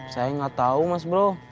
saya gak tau mas bro